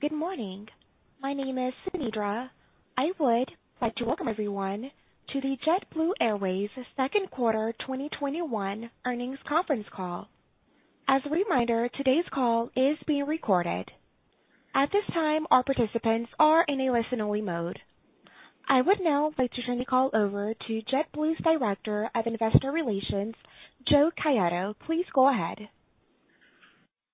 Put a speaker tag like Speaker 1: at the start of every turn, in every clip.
Speaker 1: Good morning. My name is Nedra. I would like to welcome everyone to the JetBlue Airways Q2 2021 earnings conference call. As a reminder, today's call is being recorded. At this time, all participants are in a listen-only mode. I would now like to turn the call over to JetBlue's Director of Investor Relations, Joe Caiado. Please go ahead.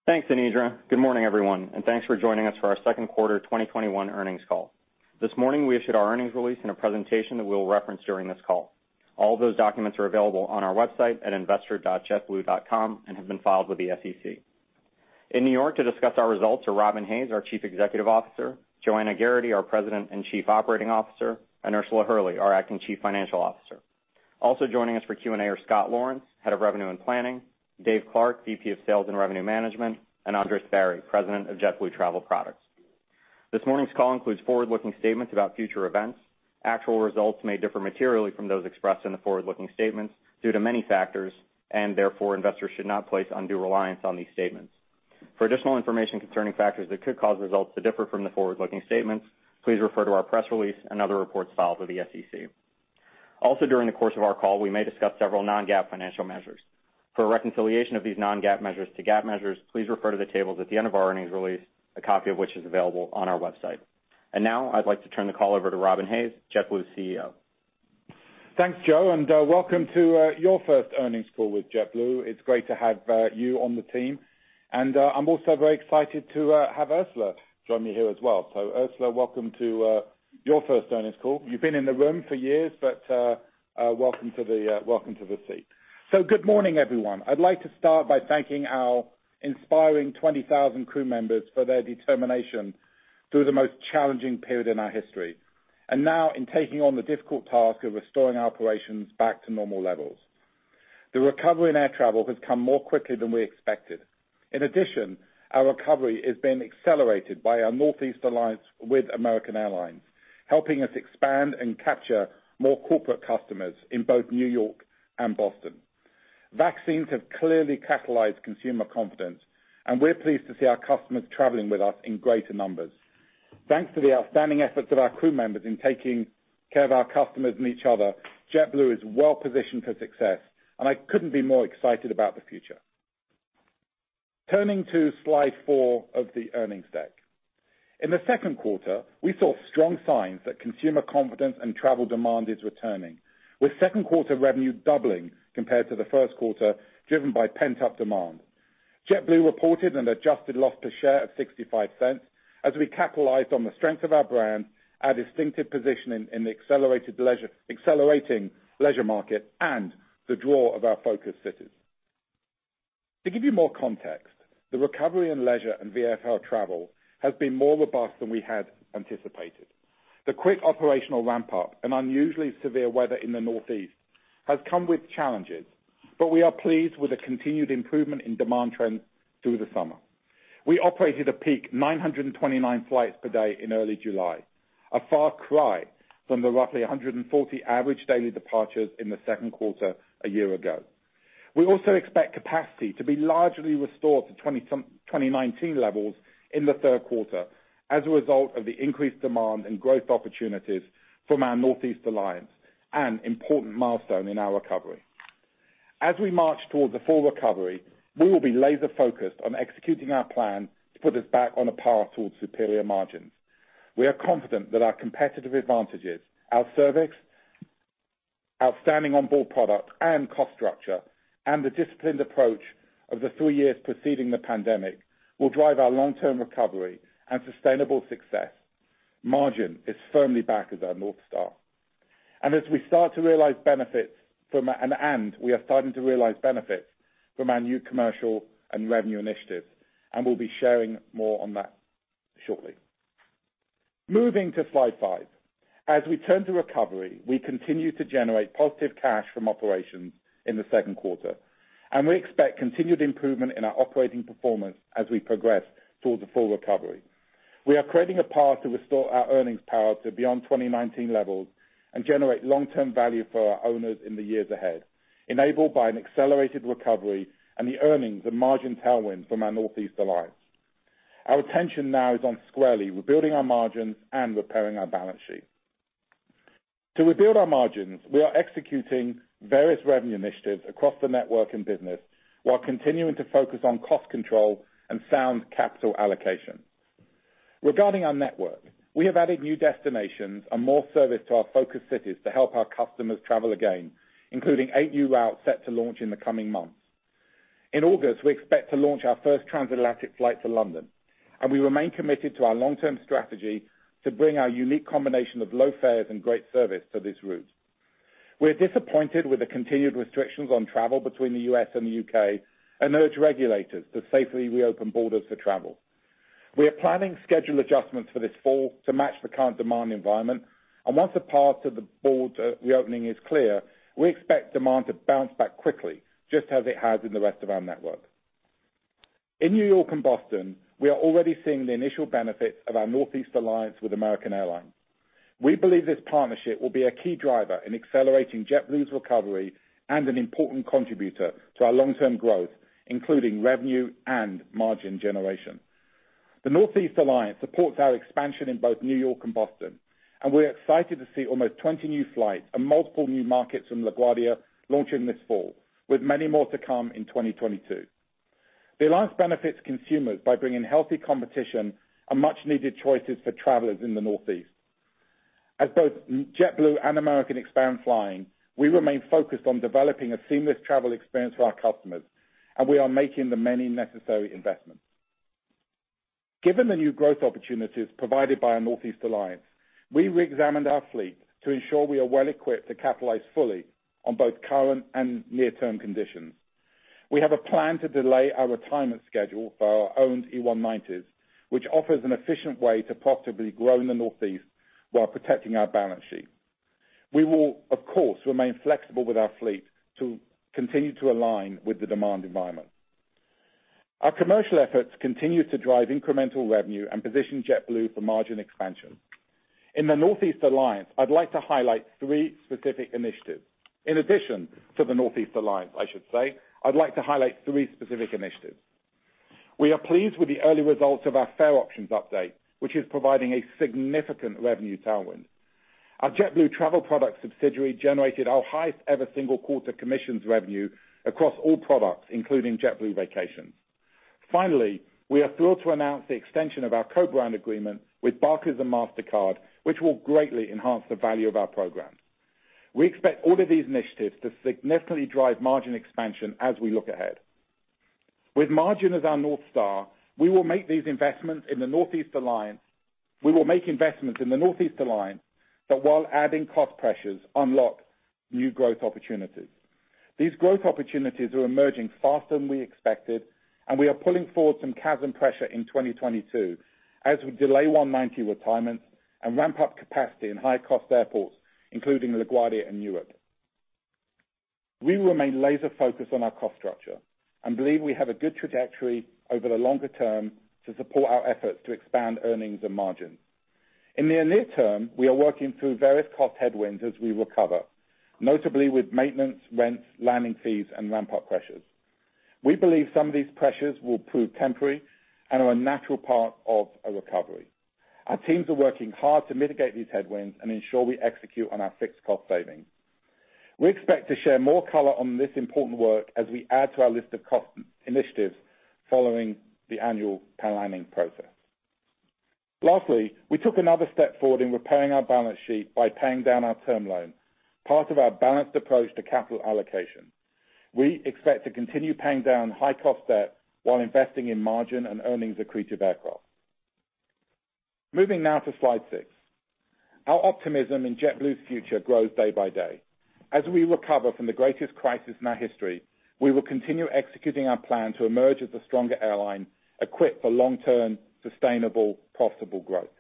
Speaker 2: Thanks, Nedra. Good morning, everyone, and thanks for joining us for our Q2 2021 earnings call. This morning, we issued our earnings release and a presentation that we'll reference during this call. All those documents are available on our website at investor.jetblue.com and have been filed with the SEC. In New York to discuss our results are Robin Hayes, our Chief Executive Officer, Joanna Geraghty, our President and Chief Operating Officer, and Ursula Hurley, our Acting Chief Financial Officer. Also joining us for Q&A are Scott Laurence, Head of Revenue and Planning, Dave Clark, VP of Sales and Revenue Management, and Andres Barry, President of JetBlue Travel Products. This morning's call includes forward-looking statements about future events. Actual results may differ materially from those expressed in the forward-looking statements due to many factors, and therefore investors should not place undue reliance on these statements. For additional information concerning factors that could cause results to differ from the forward-looking statements, please refer to our press release and other reports filed with the SEC. Also, during the course of our call, we may discuss several non-GAAP financial measures. For a reconciliation of these non-GAAP measures to GAAP measures, please refer to the tables at the end of our earnings release, a copy of which is available on our website. Now I'd like to turn the call over to Robin Hayes, JetBlue's CEO.
Speaker 3: Thanks, Joe, welcome to your first earnings call with JetBlue. It's great to have you on the team. I'm also very excited to have Ursula join me here as well. Ursula, welcome to your first earnings call. You've been in the room for years, but welcome to the seat. Good morning, everyone. I'd like to start by thanking our inspiring 20,000 crew members for their determination through the most challenging period in our history, and now in taking on the difficult task of restoring our operations back to normal levels. The recovery in air travel has come more quickly than we expected. In addition, our recovery has been accelerated by our Northeast Alliance with American Airlines, helping us expand and capture more corporate customers in both New York and Boston. Vaccines have clearly catalyzed consumer confidence, we're pleased to see our customers traveling with us in greater numbers. Thanks to the outstanding efforts of our crew members in taking care of our customers and each other, JetBlue is well-positioned for success, I couldn't be more excited about the future. Turning to slide four of the earnings deck. In the Q2, we saw strong signs that consumer confidence and travel demand is returning, with Q2 revenue doubling compared to the Q1, driven by pent-up demand. JetBlue reported an adjusted loss per share of $0.65 as we capitalized on the strength of our brand, our distinctive positioning in the accelerating leisure market, and the draw of our focus cities. To give you more context, the recovery in leisure and VFR travel has been more robust than we had anticipated. The quick operational ramp-up and unusually severe weather in the Northeast has come with challenges, but we are pleased with the continued improvement in demand trends through the summer. We operated a peak 929 flights per day in early July, a far cry from the roughly 140 average daily departures in the Q2 a year ago. We also expect capacity to be largely restored to 2019 levels in the Q3 as a result of the increased demand and growth opportunities from our Northeast Alliance, an important milestone in our recovery. As we march towards a full recovery, we will be laser-focused on executing our plan to put us back on a path towards superior margins. We are confident that our competitive advantages, our service, outstanding onboard product and cost structure, and the disciplined approach of the three years preceding the pandemic will drive our long-term recovery and sustainable success. Margin is firmly back as our North Star. We are starting to realize benefits from our new commercial and revenue initiatives, and we'll be sharing more on that shortly. Moving to slide five. As we turn to recovery, we continue to generate positive cash from operations in the 2Q, and we expect continued improvement in our operating performance as we progress towards a full recovery. We are creating a path to restore our earnings power to beyond 2019 levels and generate long-term value for our owners in the years ahead, enabled by an accelerated recovery and the earnings and margin tailwind from our Northeast Alliance. Our attention now is on squarely rebuilding our margins and repairing our balance sheet. To rebuild our margins, we are executing various revenue initiatives across the network and business while continuing to focus on cost control and sound capital allocation. Regarding our network, we have added new destinations and more service to our focus cities to help our customers travel again, including eight new routes set to launch in the coming months. In August, we expect to launch our first transatlantic flight to London, and we remain committed to our long-term strategy to bring our unique combination of low fares and great service to this route. We're disappointed with the continued restrictions on travel between the U.S. and the U.K., and urge regulators to safely reopen borders for travel. We are planning schedule adjustments for this fall to match the current demand environment, and once the path to the border reopening is clear, we expect demand to bounce back quickly, just as it has in the rest of our network. In New York and Boston, we are already seeing the initial benefits of our Northeast Alliance with American Airlines. We believe this partnership will be a key driver in accelerating JetBlue's recovery and an important contributor to our long-term growth, including revenue and margin generation. The Northeast Alliance supports our expansion in both New York and Boston, and we're excited to see almost 20 new flights and multiple new markets from LaGuardia launching this fall, with many more to come in 2022. The Alliance benefits consumers by bringing healthy competition and much-needed choices for travelers in the Northeast. As both JetBlue and American expand flying, we remain focused on developing a seamless travel experience for our customers, and we are making the many necessary investments. Given the new growth opportunities provided by our Northeast Alliance, we reexamined our fleet to ensure we are well equipped to capitalize fully on both current and near-term conditions. We have a plan to delay our retirement schedule for our owned E190s, which offers an efficient way to profitably grow in the Northeast while protecting our balance sheet. We will, of course, remain flexible with our fleet to continue to align with the demand environment. Our commercial efforts continue to drive incremental revenue and position JetBlue for margin expansion. In the Northeast Alliance, I'd like to highlight three specific initiatives. In addition to the Northeast Alliance, I should say, I'd like to highlight three specific initiatives. We are pleased with the early results of our fare options update, which is providing a significant revenue tailwind. Our JetBlue Travel Products subsidiary generated our highest-ever single-quarter commissions revenue across all products, including JetBlue Vacations. We are thrilled to announce the extension of our co-brand agreement with Barclays and Mastercard, which will greatly enhance the value of our program. We expect all of these initiatives to significantly drive margin expansion as we look ahead. With margin as our North Star, we will make investments in the Northeast Alliance that while adding cost pressures, unlock new growth opportunities. These growth opportunities are emerging faster than we expected, and we are pulling forward some CASM pressure in 2022 as we delay 190 retirements and ramp up capacity in high-cost airports, including LaGuardia and Newark. We remain laser-focused on our cost structure and believe we have a good trajectory over the longer term to support our efforts to expand earnings and margin. In the near term, we are working through various cost headwinds as we recover, notably with maintenance, rents, landing fees, and ramp-up pressures. We believe some of these pressures will prove temporary and are a natural part of a recovery. Our teams are working hard to mitigate these headwinds and ensure we execute on our fixed cost savings. We expect to share more color on this important work as we add to our list of cost initiatives following the annual planning process. Lastly, we took another step forward in repairing our balance sheet by paying down our term loan, part of our balanced approach to capital allocation. We expect to continue paying down high-cost debt while investing in margin and earnings accretive aircraft. Moving now to slide six. Our optimism in JetBlue's future grows day by day. As we recover from the greatest crisis in our history, we will continue executing our plan to emerge as a stronger airline equipped for long-term, sustainable, profitable growth.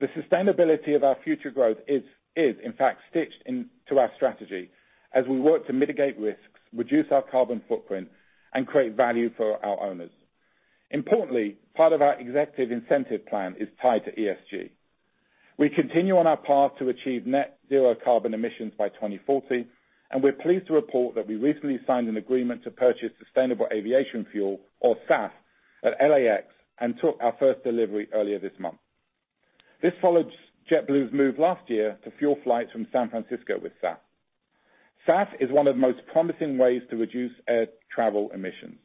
Speaker 3: The sustainability of our future growth is, in fact, stitched into our strategy as we work to mitigate risks, reduce our carbon footprint, and create value for our owners. Importantly, part of our executive incentive plan is tied to ESG. We continue on our path to achieve net zero carbon emissions by 2040, and we're pleased to report that we recently signed an agreement to purchase sustainable aviation fuel, or SAF, at LAX and took our first delivery earlier this month. This follows JetBlue's move last year to fuel flights from San Francisco with SAF. SAF is one of the most promising ways to reduce air travel emissions.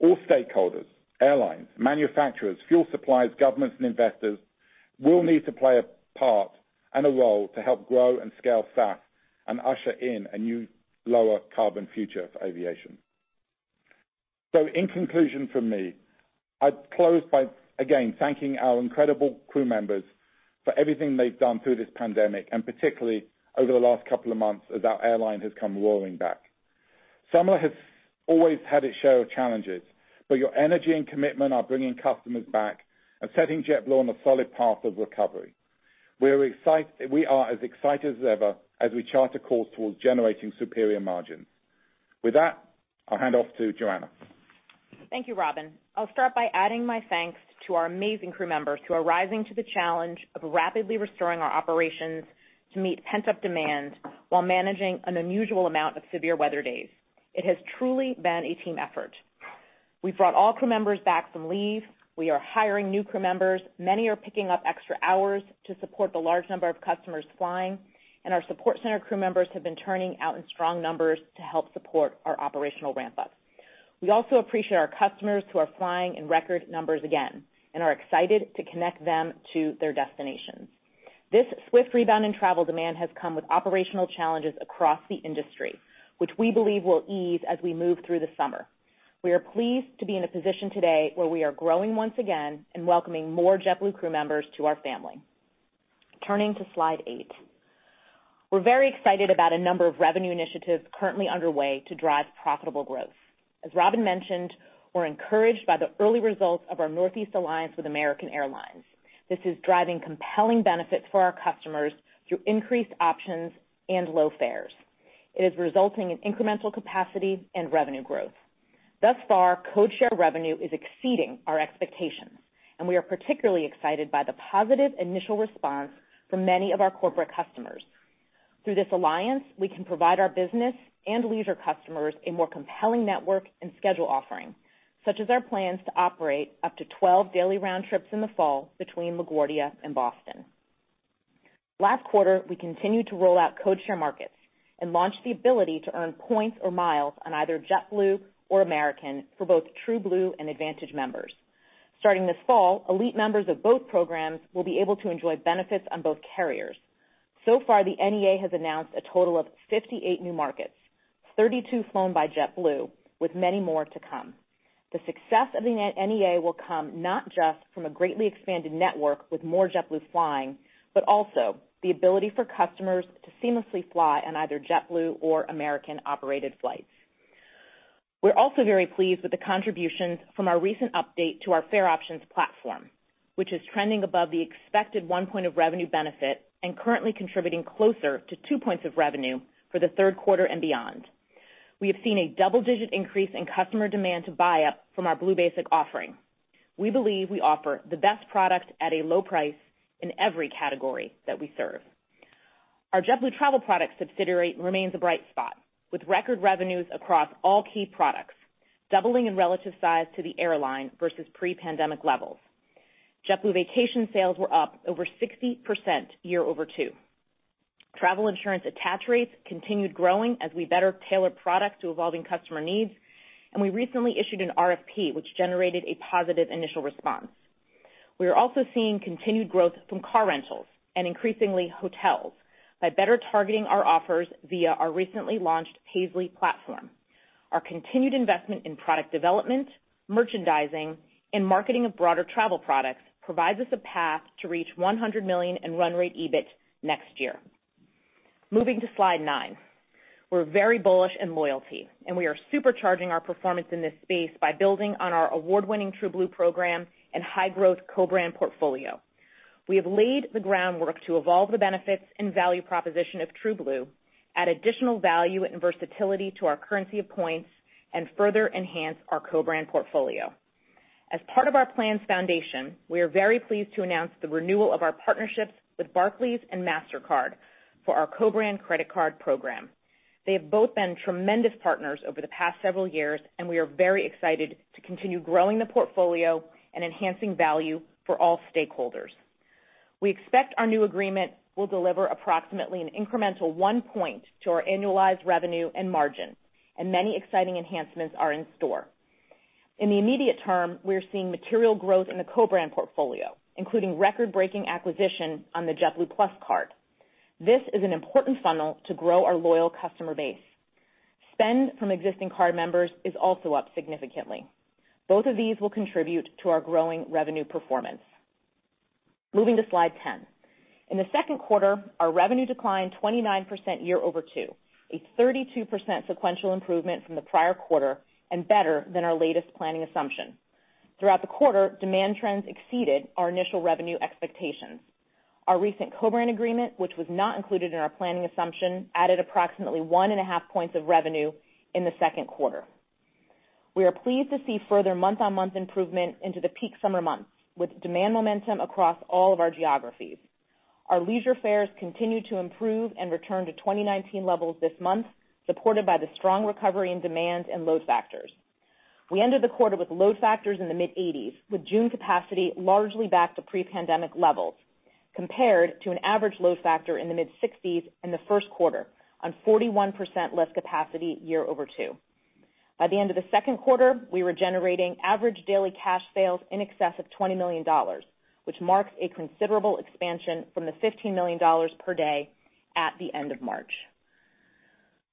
Speaker 3: All stakeholders, airlines, manufacturers, fuel suppliers, governments, and investors will need to play a part and a role to help grow and scale SAF and usher in a new lower carbon future for aviation. In conclusion from me, I close by again thanking our incredible crew members for everything they've done through this pandemic, and particularly over the last couple of months as our airline has come roaring back. Summer has always had its share of challenges, your energy and commitment are bringing customers back and setting JetBlue on a solid path of recovery. We are as excited as ever as we chart a course towards generating superior margins. With that, I'll hand off to Joanna.
Speaker 4: Thank you, Robin. I'll start by adding my thanks to our amazing crew members who are rising to the challenge of rapidly restoring our operations to meet pent-up demand while managing an unusual amount of severe weather days. It has truly been a team effort. We've brought all crew members back from leave. We are hiring new crew members. Many are picking up extra hours to support the large number of customers flying, and our support center crew members have been turning out in strong numbers to help support our operational ramp-up. We also appreciate our customers who are flying in record numbers again and are excited to connect them to their destinations. This swift rebound in travel demand has come with operational challenges across the industry, which we believe will ease as we move through the summer. We are pleased to be in a position today where we are growing once again and welcoming more JetBlue crew members to our family. Turning to slide eight. We're very excited about a number of revenue initiatives currently underway to drive profitable growth. As Robin mentioned, we're encouraged by the early results of our Northeast Alliance with American Airlines. This is driving compelling benefits for our customers through increased options and low fares. It is resulting in incremental capacity and revenue growth. Thus far, codeshare revenue is exceeding our expectations, and we are particularly excited by the positive initial response from many of our corporate customers. Through this alliance, we can provide our business and leisure customers a more compelling network and schedule offering, such as our plans to operate up to 12 daily round trips in the fall between LaGuardia and Boston. Last quarter, we continued to roll out codeshare markets and launch the ability to earn points or miles on either JetBlue or American for both TrueBlue and AAdvantage members. Starting this fall, elite members of both programs will be able to enjoy benefits on both carriers. So far, the NEA has announced a total of 58 new markets, 32 flown by JetBlue, with many more to come. The success of the NEA will come not just from a greatly expanded network with more JetBlue flying, but also the ability for customers to seamlessly fly on either JetBlue or American-operated flights. We're also very pleased with the contributions from our recent update to our fare options platform, which is trending above the expected one point of revenue benefit and currently contributing closer to two points of revenue for the Q3 and beyond. We have seen a double-digit increase in customer demand to buy up from our Blue Basic offering. We believe we offer the best product at a low price in every category that we serve. Our JetBlue Travel Products subsidiary remains a bright spot, with record revenues across all key products, doubling in relative size to the airline versus pre-pandemic levels. JetBlue Vacations sales were up over 60% year-over-two-year. Travel insurance attach rates continued growing as we better tailor products to evolving customer needs. We recently issued an RFP, which generated a positive initial response. We are also seeing continued growth from car rentals and increasingly hotels by better targeting our offers via our recently launched Paisly platform. Our continued investment in product development, merchandising, and marketing of broader travel products provides us a path to reach $100 million in run rate EBIT next year. Moving to slide nine. We're very bullish in loyalty, and we are supercharging our performance in this space by building on our award-winning TrueBlue program and high-growth co-brand portfolio. We have laid the groundwork to evolve the benefits and value proposition of TrueBlue, add additional value and versatility to our currency of points, and further enhance our co-brand portfolio. As part of our plans foundation, we are very pleased to announce the renewal of our partnerships with Barclays and Mastercard for our co-brand credit card program. They have both been tremendous partners over the past several years, and we are very excited to continue growing the portfolio and enhancing value for all stakeholders. We expect our new agreement will deliver approximately an incremental 1 point to our annualized revenue and margin, and many exciting enhancements are in store. In the immediate term, we are seeing material growth in the co-brand portfolio, including record-breaking acquisition on the JetBlue Plus Card. This is an important funnel to grow our loyal customer base. Spend from existing card members is also up significantly. Both of these will contribute to our growing revenue performance. Moving to slide 10. In the Q2, our revenue declined 29% year over two, a 32% sequential improvement from the prior quarter and better than our latest planning assumption. Throughout the quarter, demand trends exceeded our initial revenue expectations. Our recent co-brand agreement, which was not included in our planning assumption, added approximately one and a half points of revenue in the Q2. We are pleased to see further month-on-month improvement into the peak summer months, with demand momentum across all of our geographies. Our leisure fares continued to improve and return to 2019 levels this month, supported by the strong recovery in demand and load factors. We ended the quarter with load factors in the mid-80s, with June capacity largely back to pre-pandemic levels, compared to an average load factor in the mid-60s in the Q1 on 41% less capacity year-over-two. By the end of the Q2, we were generating average daily cash sales in excess of $20 million, which marks a considerable expansion from the $15 million per day at the end of March.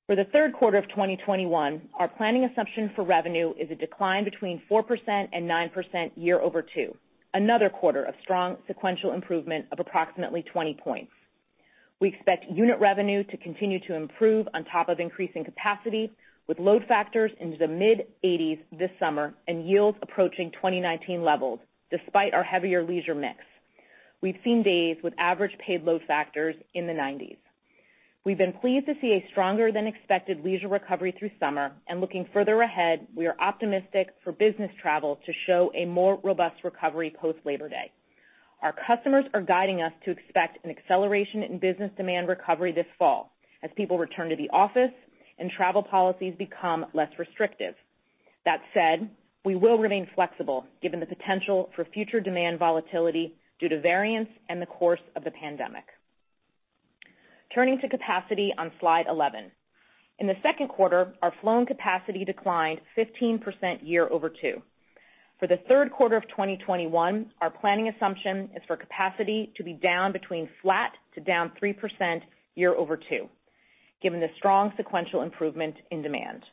Speaker 4: For the Q3 of 2021, our planning assumption for revenue is a decline between 4% and 9% year-over-two, another quarter of strong sequential improvement of approximately 20 points. We expect unit revenue to continue to improve on top of increasing capacity, with load factors into the mid-80s this summer and yields approaching 2019 levels, despite our heavier leisure mix. We've seen days with average paid load factors in the 90s. Looking further ahead, we are optimistic for business travel to show a more robust recovery post-Labor Day. Our customers are guiding us to expect an acceleration in business demand recovery this fall as people return to the office and travel policies become less restrictive. That said, we will remain flexible given the potential for future demand volatility due to variants and the course of the pandemic. Turning to capacity on slide 11. In the Q2, our flown capacity declined 15% year over two. For the Q3 of 2021, our planning assumption is for capacity to be down between flat to down 3% year-over-2-year, given the strong sequential improvement in demand.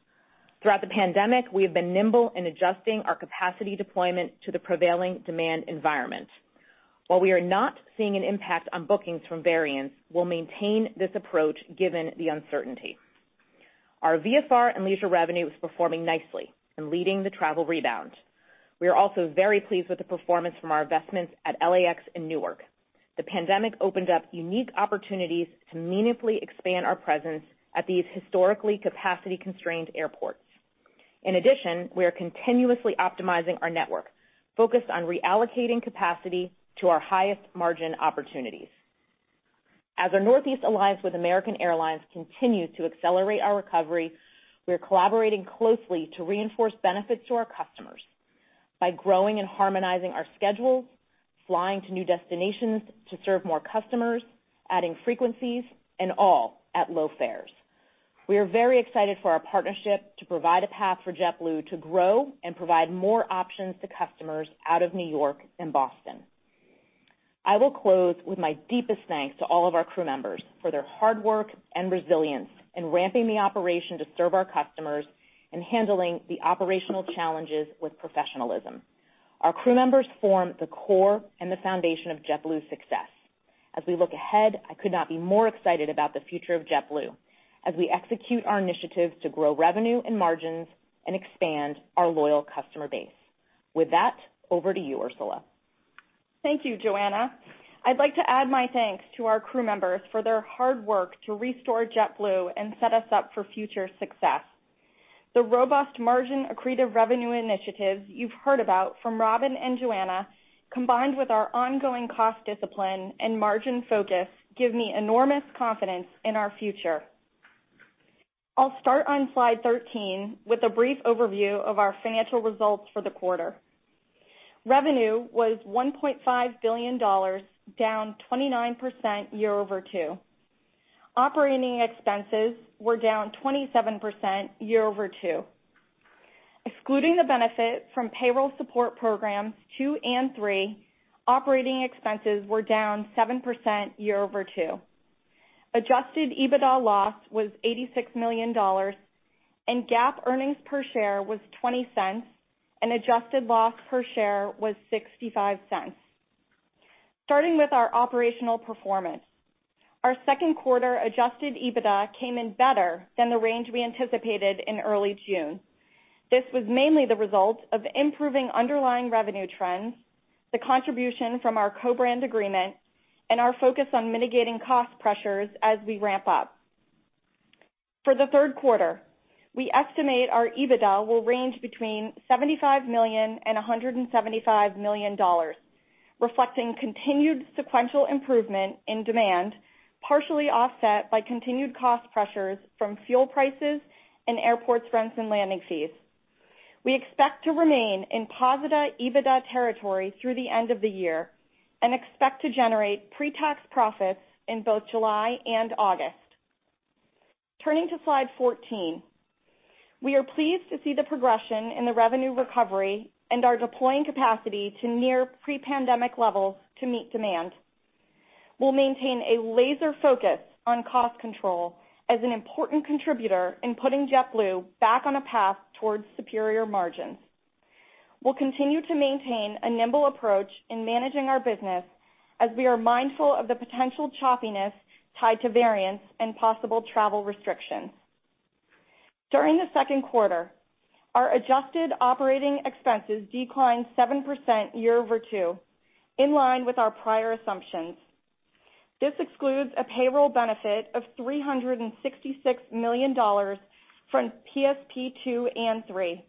Speaker 4: Throughout the pandemic, we have been nimble in adjusting our capacity deployment to the prevailing demand environment. While we are not seeing an impact on bookings from variants, we'll maintain this approach given the uncertainty. Our VFR and leisure revenue is performing nicely and leading the travel rebound. We are also very pleased with the performance from our investments at LAX and Newark. The pandemic opened up unique opportunities to meaningfully expand our presence at these historically capacity-constrained airports. In addition, we are continuously optimizing our network, focused on reallocating capacity to our highest margin opportunities. As our Northeast Alliance with American Airlines continue to accelerate our recovery, we are collaborating closely to reinforce benefits to our customers by growing and harmonizing our schedules, flying to new destinations to serve more customers, adding frequencies, and all at low fares. We are very excited for our partnership to provide a path for JetBlue to grow and provide more options to customers out of New York and Boston. I will close with my deepest thanks to all of our crew members for their hard work and resilience in ramping the operation to serve our customers and handling the operational challenges with professionalism. Our crew members form the Core and the foundation of JetBlue's success. As we look ahead, I could not be more excited about the future of JetBlue as we execute our initiatives to grow revenue and margins and expand our loyal customer base. With that, over to you, Ursula.
Speaker 5: Thank you, Joanna. I'd like to add my thanks to our crew members for their hard work to restore JetBlue and set us up for future success. The robust margin-accretive revenue initiatives you've heard about from Robin and Joanna, combined with our ongoing cost discipline and margin focus, give me enormous confidence in our future. I'll start on slide 13 with a brief overview of our financial results for the quarter. Revenue was $1.5 billion, down 29% year-over-two-year. Operating expenses were down 27% year-over-two-year. Excluding the benefit from payroll support programs two and three, operating expenses were down 7% year-over-two-year. Adjusted EBITDA loss was $86 million, and GAAP earnings per share was $0.20, and adjusted loss per share was $0.65. Starting with our operational performance, our Q2 adjusted EBITDA came in better than the range we anticipated in early June. This was mainly the result of improving underlying revenue trends, the contribution from our co-brand agreement, and our focus on mitigating cost pressures as we ramp up. For the Q3, we estimate our EBITDA will range between $75 million and $175 million, reflecting continued sequential improvement in demand, partially offset by continued cost pressures from fuel prices and airport rents and landing fees. We expect to remain in positive EBITDA territory through the end of the year and expect to generate pre-tax profits in both July and August. Turning to slide 14, we are pleased to see the progression in the revenue recovery and are deploying capacity to near pre-pandemic levels to meet demand. We'll maintain a laser focus on cost control as an important contributor in putting JetBlue back on a path towards superior margins. We'll continue to maintain a nimble approach in managing our business as we are mindful of the potential choppiness tied to variants and possible travel restrictions. During the Q2, our adjusted operating expenses declined 7% year over two, in line with our prior assumptions. This excludes a payroll benefit of $366 million from PSP two and three.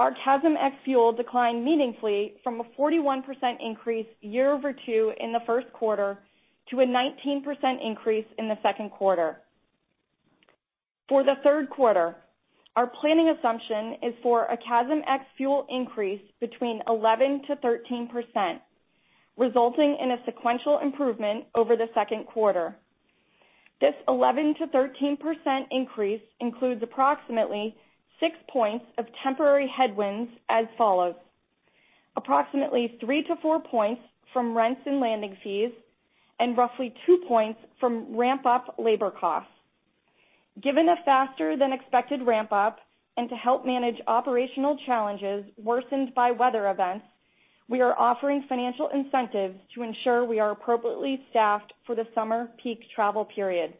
Speaker 5: Our CASM ex-fuel declined meaningfully from a 41% increase year over two in the Q1 to a 19% increase in the Q2. For the Q3, our planning assumption is for a CASM ex-fuel increase between 11%-13%, resulting in a sequential improvement over the Q2. This 11%-13% increase includes approximately six points of temporary headwinds as follows: approximately 3-4 points from rents and landing fees, and roughly two points from ramp-up labor costs. Given a faster than expected ramp-up, and to help manage operational challenges worsened by weather events, we are offering financial incentives to ensure we are appropriately staffed for the summer peak travel period.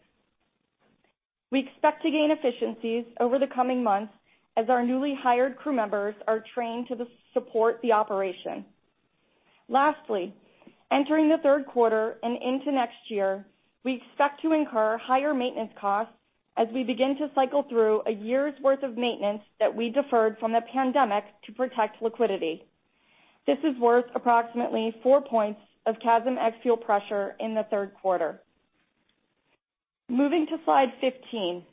Speaker 5: We expect to gain efficiencies over the coming months as our newly hired crew members are trained to support the operation. Entering the Q3 and into next year, we expect to incur higher maintenance costs as we begin to cycle through a year's worth of maintenance that we deferred from the pandemic to protect liquidity. This is worth approximately four points of CASM ex-fuel pressure in the Q3. Moving to slide 15.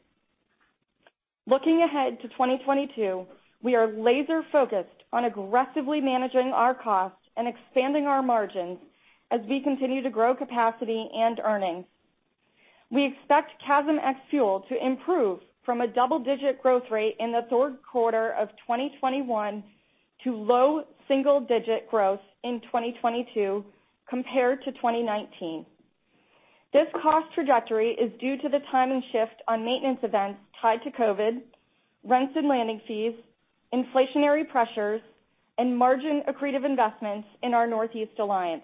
Speaker 5: Looking ahead to 2022, we are laser focused on aggressively managing our costs and expanding our margins as we continue to grow capacity and earnings. We expect CASM ex-fuel to improve from a double-digit growth rate in the Q3 of 2021 to low single-digit growth in 2022 compared to 2019. This cost trajectory is due to the timing shift on maintenance events tied to COVID, rents and landing fees, inflationary pressures, and margin-accretive investments in our Northeast Alliance.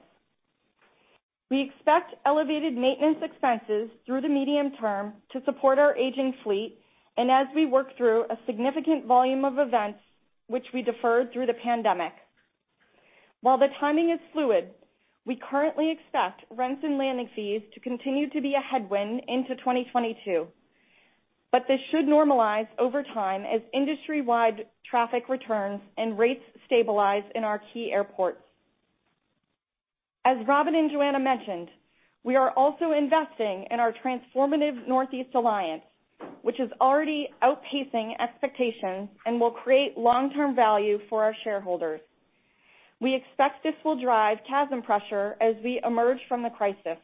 Speaker 5: We expect elevated maintenance expenses through the medium term to support our aging fleet and as we work through a significant volume of events which we deferred through the pandemic. While the timing is fluid, we currently expect rents and landing fees to continue to be a headwind into 2022, but this should normalize over time as industry-wide traffic returns and rates stabilize in our key airports. As Robin and Joanna mentioned, we are also investing in our transformative Northeast Alliance, which is already outpacing expectations and will create long-term value for our shareholders. We expect this will drive CASM pressure as we emerge from the crisis.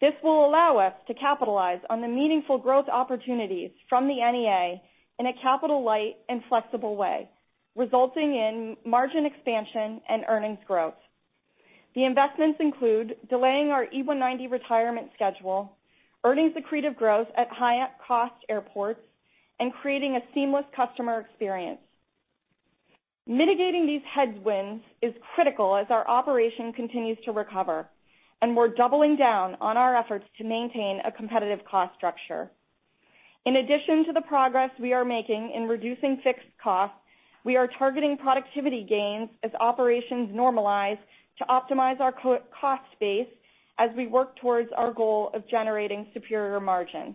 Speaker 5: This will allow us to capitalize on the meaningful growth opportunities from the NEA in a capital-light and flexible way, resulting in margin expansion and earnings growth. The investments include delaying our E190 retirement schedule, earnings accretive growth at high-cost airports, and creating a seamless customer experience. Mitigating these headwinds is critical as our operation continues to recover, and we're doubling down on our efforts to maintain a competitive cost structure. In addition to the progress we are making in reducing fixed costs, we are targeting productivity gains as operations normalize to optimize our cost base as we work towards our goal of generating superior margins.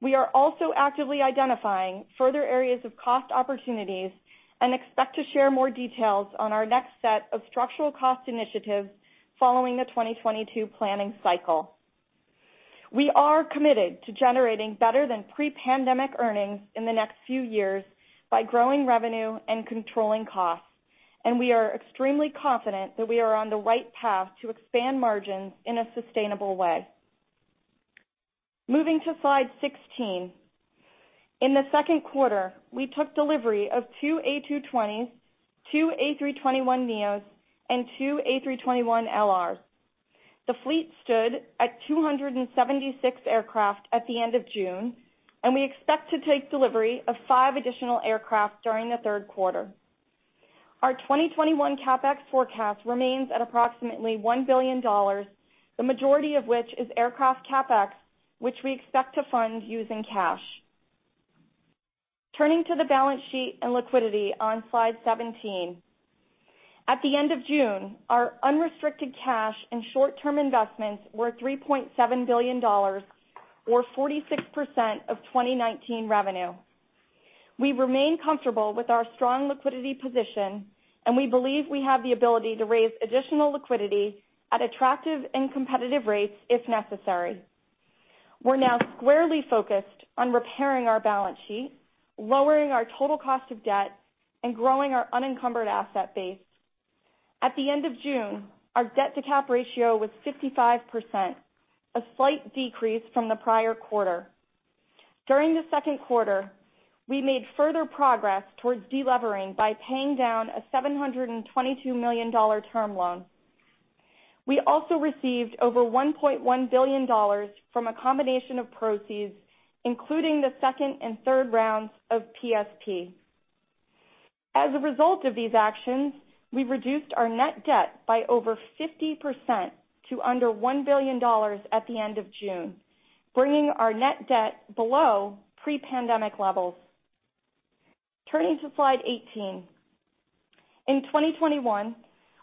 Speaker 5: We are also actively identifying further areas of cost opportunities and expect to share more details on our next set of structural cost initiatives following the 2022 planning cycle. We are committed to generating better than pre-pandemic earnings in the next few years by growing revenue and controlling costs, and we are extremely confident that we are on the right path to expand margins in a sustainable way. Moving to slide 16. In the Q2, we took delivery of two A220s, two A321neos, and two A321LRs. The fleet stood at 276 aircraft at the end of June, and we expect to take delivery of five additional aircraft during the Q3. Our 2021 CapEx forecast remains at approximately $1 billion, the majority of which is aircraft CapEx, which we expect to fund using cash. Turning to the balance sheet and liquidity on slide 17. At the end of June, our unrestricted cash and short-term investments were $3.7 billion, or 46% of 2019 revenue. We remain comfortable with our strong liquidity position, and we believe we have the ability to raise additional liquidity at attractive and competitive rates if necessary. We're now squarely focused on repairing our balance sheet, lowering our total cost of debt, and growing our unencumbered asset base. At the end of June, our debt-to-cap ratio was 55%, a slight decrease from the prior quarter. During the Q2, we made further progress towards de-levering by paying down a $722 million term loan. We also received over $1.1 billion from a combination of proceeds, including the second and third rounds of PSP. As a result of these actions, we've reduced our net debt by over 50% to under $1 billion at the end of June, bringing our net debt below pre-pandemic levels. Turning to slide 18. In 2021,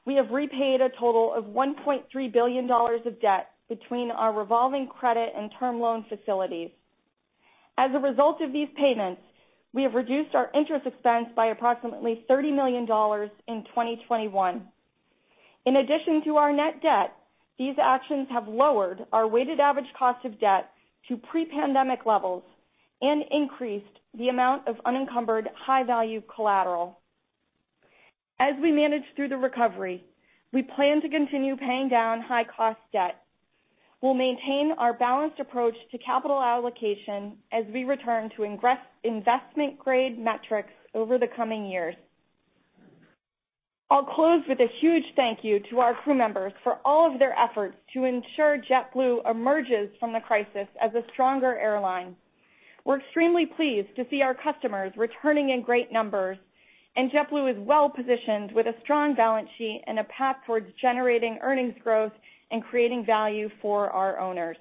Speaker 5: we have repaid a total of $1.3 billion of debt between our revolving credit and term loan facilities. As a result of these payments, we have reduced our interest expense by approximately $30 million in 2021. In addition to our net debt, these actions have lowered our weighted average cost of debt to pre-pandemic levels and increased the amount of unencumbered high-value collateral. As we manage through the recovery, we plan to continue paying down high-cost debt. We'll maintain our balanced approach to capital allocation as we return to investment-grade metrics over the coming years. I'll close with a huge thank you to our crew members for all of their efforts to ensure JetBlue emerges from the crisis as a stronger airline. We're extremely pleased to see our customers returning in great numbers. JetBlue is well-positioned with a strong balance sheet and a path towards generating earnings growth and creating value for our owners.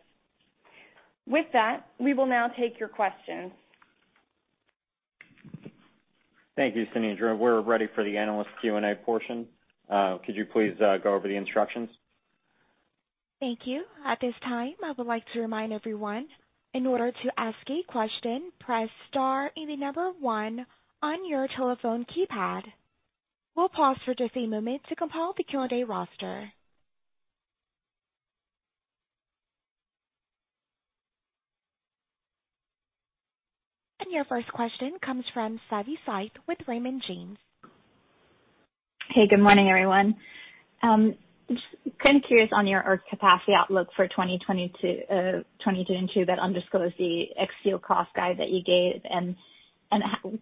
Speaker 5: With that, we will now take your questions.
Speaker 2: Thank you, Cindy. We're ready for the analyst Q&A portion. Could you please go over the instructions?
Speaker 1: Thank you. At this time, I would like to remind everyone, in order to ask a question, press star and the number 1 on your telephone keypad. We'll pause for just a moment to compile the Q&A roster. Your first question comes from Savi Syth with Raymond James.
Speaker 6: Hey, good morning, everyone. Just kind of curious on your capacity outlook for 2022 that underscores the ex-fuel cost guide that you gave and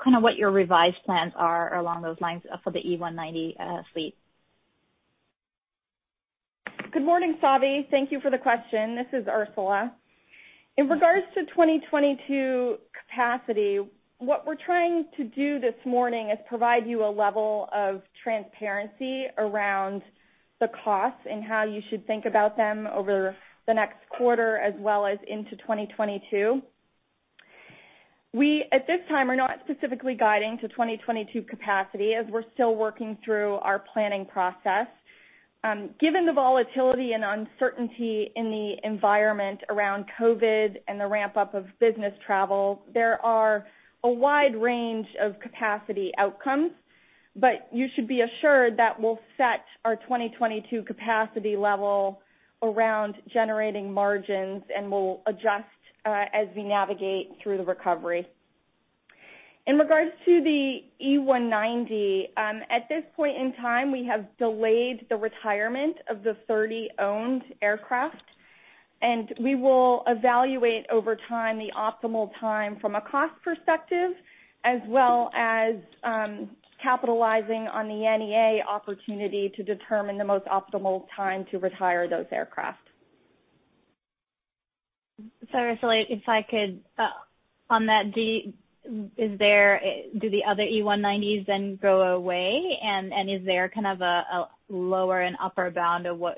Speaker 6: kind of what your revised plans are along those lines for the E190 fleet.
Speaker 5: Good morning, Savi. Thank you for the question. This is Ursula. In regards to 2022 capacity, what we're trying to do this morning is provide you a level of transparency around the costs and how you should think about them over the next quarter as well as into 2022. We, at this time, are not specifically guiding to 2022 capacity as we're still working through our planning process. Given the volatility and uncertainty in the environment around COVID and the ramp-up of business travel, there are a wide range of capacity outcomes, but you should be assured that we'll set our 2022 capacity level around generating margins, and we'll adjust as we navigate through the recovery. In regards to the E190, at this point in time, we have delayed the retirement of the 30 owned aircraft, and we will evaluate over time the optimal time from a cost perspective as well as capitalizing on the NEA opportunity to determine the most optimal time to retire those aircraft.
Speaker 6: Sorry, if I could, on that, do the other E190s then go away? Is there kind of a lower and upper bound of what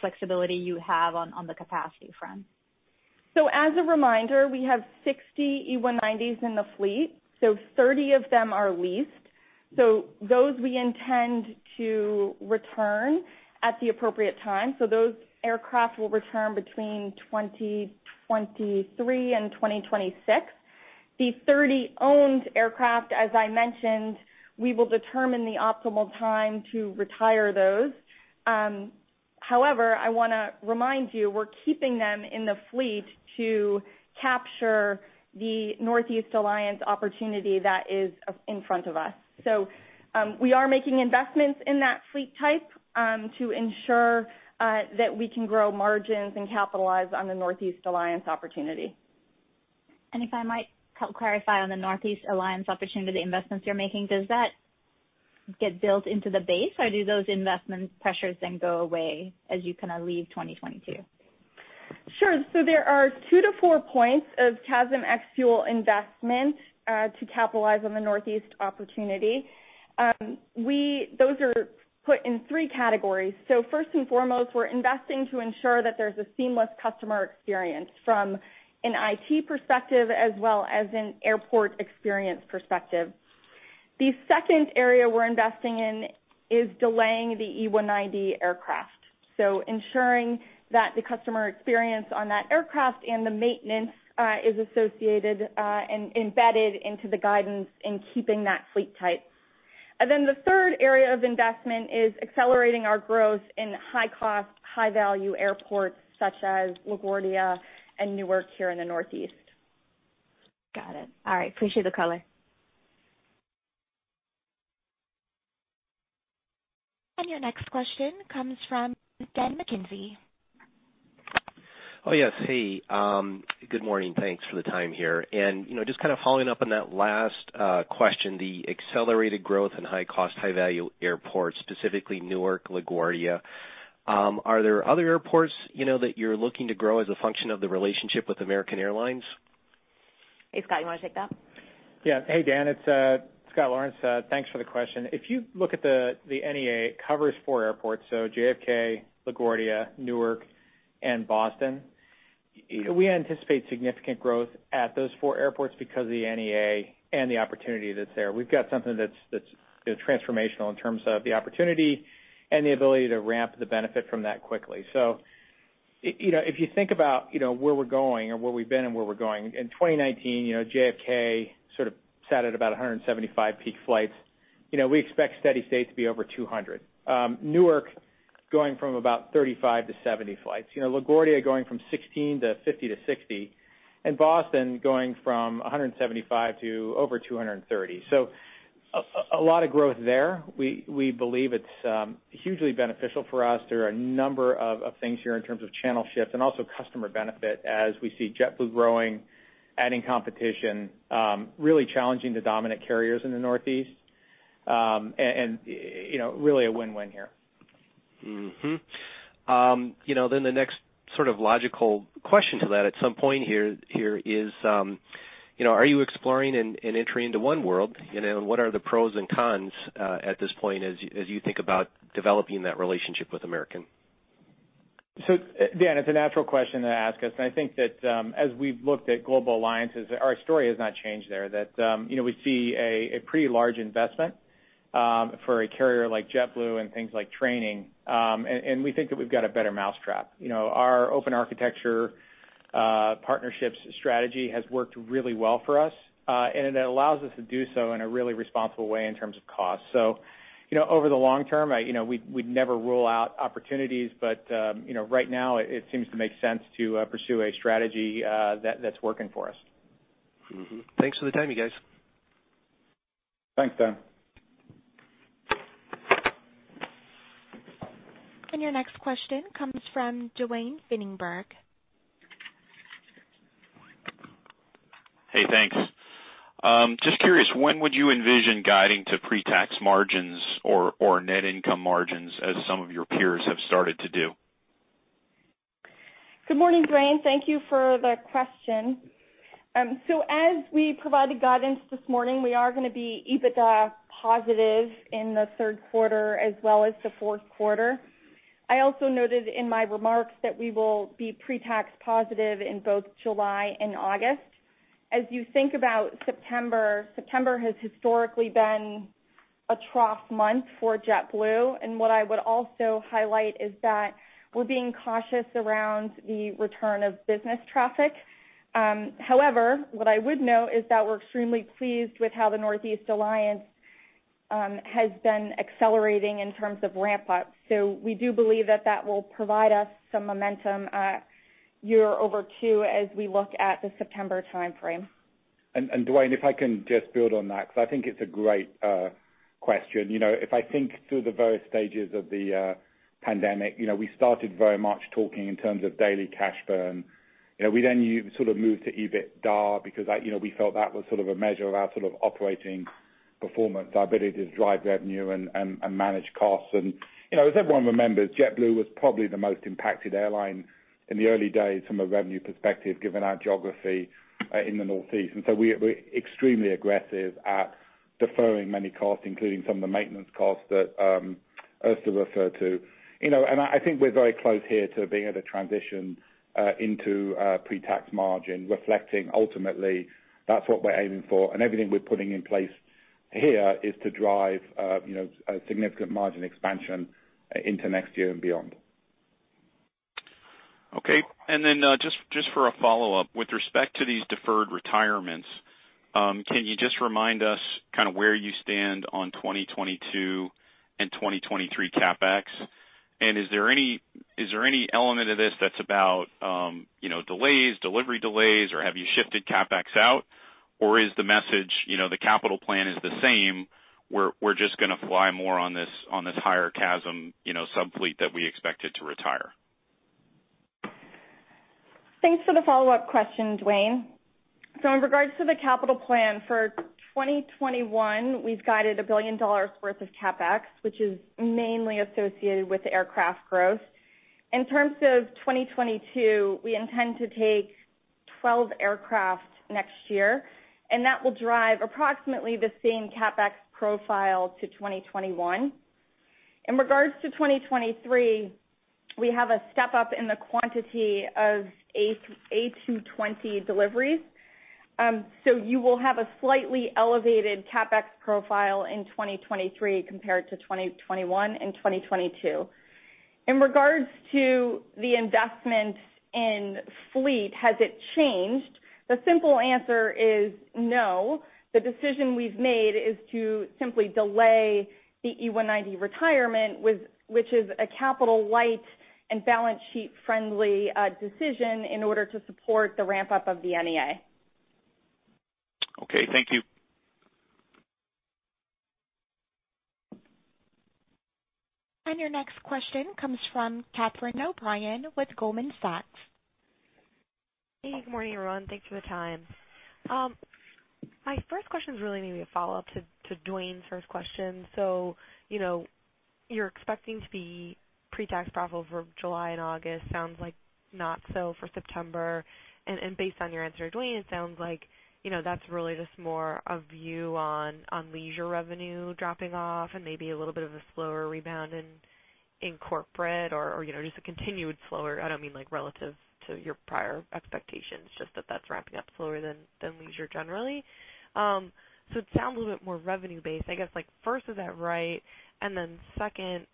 Speaker 6: flexibility you have on the capacity front?
Speaker 5: As a reminder, we have 60 E190s in the fleet, 30 of them are leased. Those we intend to return at the appropriate time. Those aircraft will return between 2023 and 2026. The 30 owned aircraft, as I mentioned, we will determine the optimal time to retire those. However, I want to remind you, we're keeping them in the fleet to capture the Northeast Alliance opportunity that is in front of us. We are making investments in that fleet type to ensure that we can grow margins and capitalize on the Northeast Alliance opportunity.
Speaker 6: If I might help clarify on the Northeast Alliance opportunity investments you're making, does that get built into the base, or do those investment pressures then go away as you kind of leave 2022?
Speaker 5: Sure. There are two to four points of CASM ex-fuel investment to capitalize on the Northeast opportunity. Those are put in three categories. First and foremost, we're investing to ensure that there's a seamless customer experience from an IT perspective as well as an airport experience perspective. The second area we're investing in is delaying the E190 aircraft, ensuring that the customer experience on that aircraft and the maintenance is associated and embedded into the guidance in keeping that fleet type. The third area of investment is accelerating our growth in high-cost, high-value airports such as LaGuardia and Newark here in the Northeast.
Speaker 6: Got it. All right. Appreciate the color.
Speaker 1: Your next question comes from Dan McKenzie.
Speaker 7: Oh, yes. Hey, good morning. Thanks for the time here. Just kind of following up on that last question, the accelerated growth in high-cost, high-value airports, specifically Newark, LaGuardia, are there other airports that you're looking to grow as a function of the relationship with American Airlines?
Speaker 5: Hey, Scott, you want to take that?
Speaker 8: Yeah. Hey, Dan, it's Scott Laurence. Thanks for the question. If you look at the NEA, it covers four airports, JFK, LaGuardia, Newark, and Boston. We anticipate significant growth at those four airports because of the NEA and the opportunity that's there. We've got something that's transformational in terms of the opportunity and the ability to ramp the benefit from that quickly. If you think about where we're going or where we've been and where we're going, in 2019, JFK sort of sat at about 175 peak flights. We expect steady state to be over 200. Newark going from about 35-70 flights. LaGuardia going from 16-50-60, and Boston going from 175 to over 230. A lot of growth there. We believe it's hugely beneficial for us. There are a number of things here in terms of channel shift and also customer benefit as we see JetBlue growing, adding competition, really challenging the dominant carriers in the Northeast, and really a win-win here.
Speaker 7: The next sort of logical question to that at some point here is, are you exploring and entering into oneworld? What are the pros and cons at this point as you think about developing that relationship with American?
Speaker 8: Dan, it's a natural question to ask us, and I think that as we've looked at global alliances, our story has not changed there. That we see a pretty large investment for a carrier like JetBlue and things like training, and we think that we've got a better mousetrap. Our open architecture partnerships strategy has worked really well for us, and it allows us to do so in a really responsible way in terms of cost. Over the long term, we'd never rule out opportunities, but right now it seems to make sense to pursue a strategy that's working for us.
Speaker 7: Mm-hmm. Thanks for the time, you guys.
Speaker 8: Thanks, Dan.
Speaker 1: Your next question comes from Duane Pfennigwerth.
Speaker 9: Hey, thanks. Just curious, when would you envision guiding to pre-tax margins or net income margins as some of your peers have started to do?
Speaker 5: Good morning, Duane. Thank you for the question. As we provided guidance this morning, we are going to be EBITDA positive in the Q3 as well as the Q4. I also noted in my remarks that we will be pre-tax positive in both July and August. As you think about September has historically been a trough month for JetBlue, and what I would also highlight is that we're being cautious around the return of business traffic. However, what I would note is that we're extremely pleased with how the Northeast Alliance has been accelerating in terms of ramp up. We do believe that that will provide us some momentum year over two as we look at the September timeframe.
Speaker 3: Duane, if I can just build on that, because I think it's a great question. If I think through the various stages of the pandemic, we started very much talking in terms of daily cash burn. We then sort of moved to EBITDA because we felt that was sort of a measure of our sort of operating performance, our ability to drive revenue and manage costs. As everyone remembers, JetBlue was probably the most impacted airline in the early days from a revenue perspective, given our geography in the Northeast. We're extremely aggressive at deferring many costs, including some of the maintenance costs that Ursula referred to. I think we're very close here to being able to transition into pre-tax margin, reflecting ultimately that's what we're aiming for, and everything we're putting in place here is to drive a significant margin expansion into next year and beyond.
Speaker 9: Okay. Just for a follow-up, with respect to these deferred retirements, can you just remind us kind of where you stand on 2022 and 2023 CapEx? Is there any element of this that's about delays, delivery delays, or have you shifted CapEx out? Is the message, the capital plan is the same, we're just going to fly more on this higher CASM sub-fleet that we expected to retire?
Speaker 5: Thanks for the follow-up question, Duane. In regards to the capital plan for 2021, we've guided $1 billion worth of CapEx, which is mainly associated with aircraft growth. In terms of 2022, we intend to take 12 aircraft next year, and that will drive approximately the same CapEx profile to 2021. In regards to 2023, we have a step-up in the quantity of A220 deliveries. You will have a slightly elevated CapEx profile in 2023 compared to 2021 and 2022. In regards to the investment in fleet, has it changed? The simple answer is no. The decision we've made is to simply delay the E190 retirement, which is a capital light and balance sheet-friendly decision in order to support the ramp-up of the NEA.
Speaker 9: Okay, thank you.
Speaker 1: Your next question comes from Catherine O'Brien with Goldman Sachs.
Speaker 10: Hey, good morning, everyone. Thanks for the time. My first question is really maybe a follow-up to Duane's first question. You're expecting to be pre-tax profitable for July and August. Sounds like not so for September. Based on your answer to Duane, it sounds like that's really just more a view on leisure revenue dropping off and maybe a little bit of a slower rebound in corporate or just a continued slower, I don't mean like relative to your prior expectations, just that that's ramping up slower than leisure generally. It sounds a little bit more revenue-based. I guess, first, is that right? Second,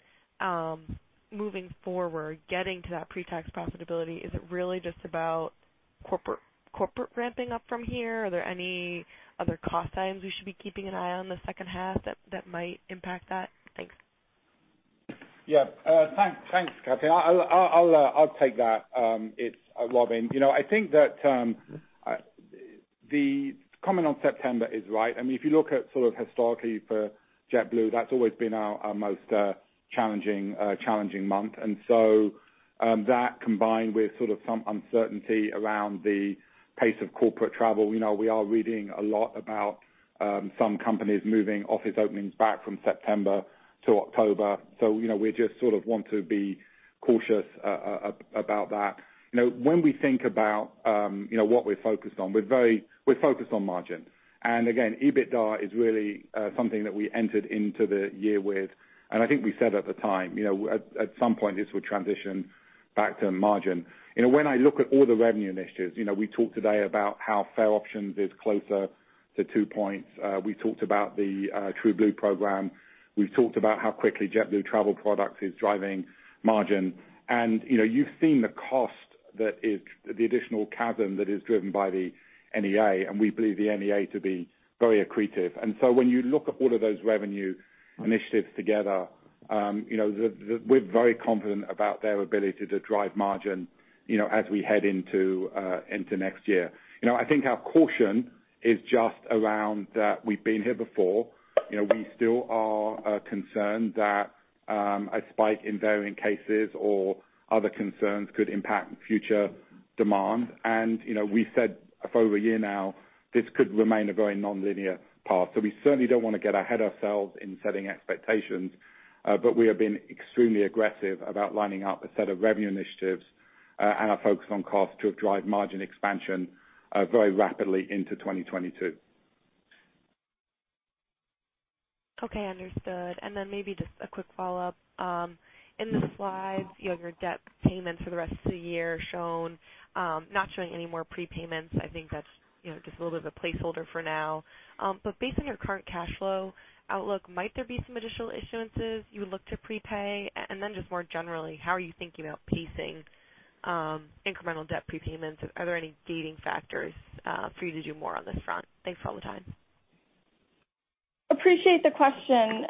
Speaker 10: moving forward, getting to that pre-tax profitability, is it really just about corporate ramping up from here? Are there any other cost items we should be keeping an eye on the H2 that might impact that? Thanks.
Speaker 3: Thanks, Catherine. I'll take that. It's Robin. I think that the comment on September is right. I mean, if you look at sort of historically for JetBlue, that's always been our most challenging month. That combined with sort of some uncertainty around the pace of corporate travel, we are reading a lot about some companies moving office openings back from September to October. We just sort of want to be cautious about that. When we think about what we're focused on, we're focused on margin. Again, EBITDA is really something that we entered into the year with, and I think we said at the time, at some point this would transition back to margin. When I look at all the revenue initiatives, we talked today about how fare options is closer to two points. We talked about the TrueBlue program. We've talked about how quickly JetBlue Travel Products is driving margin. You've seen the cost that is the additional CASM that is driven by the NEA, and we believe the NEA to be very accretive. When you look at all of those revenue initiatives together, we're very confident about their ability to drive margin as we head into next year. I think our caution is just around that we've been here before. We still are concerned that a spike in variant cases or other concerns could impact future demand. We said for over a year now, this could remain a very nonlinear path. We certainly don't want to get ahead ourselves in setting expectations, but we have been extremely aggressive about lining up a set of revenue initiatives and our focus on cost to drive margin expansion very rapidly into 2022.
Speaker 10: Okay, understood. Maybe just a quick follow-up. In the slides, your debt payments for the rest of the year shown, not showing any more prepayments. I think that's just a little bit of a placeholder for now. Based on your current cash flow outlook, might there be some additional issuances you would look to prepay? Just more generally, how are you thinking about pacing incremental debt prepayments? Are there any gating factors for you to do more on this front? Thanks for all the time.
Speaker 5: Appreciate the question.